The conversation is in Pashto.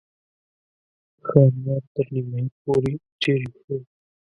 ښامار تر نیمایي پورې څېرې شو.